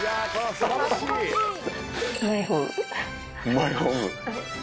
マイホーム。